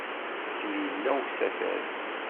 Akken yella usatal.